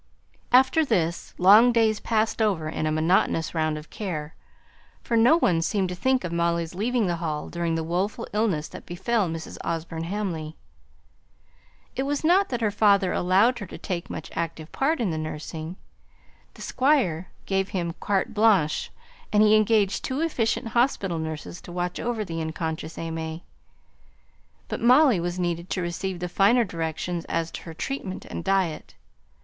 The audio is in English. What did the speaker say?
After this, long days passed over in a monotonous round of care; for no one seemed to think of Molly's leaving the Hall during the woeful illness that befell Mrs. Osborne Hamley. It was not that her father allowed her to take much active part in the nursing; the Squire gave him carte blanche, and he engaged two efficient hospital nurses to watch over the unconscious AimÄe; but Molly was needed to receive the finer directions as to her treatment and diet.